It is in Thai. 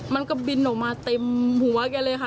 มันก็บินออกมาเต็มหัวแกเลยค่ะ